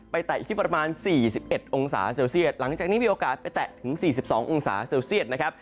แตะอยู่ที่ประมาณ๔๑องศาเซลเซียตหลังจากนี้มีโอกาสไปแตะถึง๔๒องศาเซลเซียตนะครับ